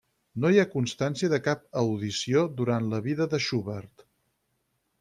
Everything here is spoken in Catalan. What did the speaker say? No hi ha constància de cap audició durant la vida de Schubert.